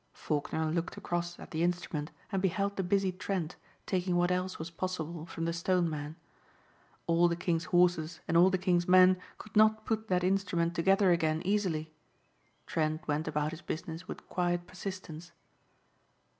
Faulkner looked across at the instrument and beheld the busy Trent taking what else was possible from the Stoneman. All the king's horses and all the king's men could not put that instrument together again easily. Trent went about his business with quiet persistence.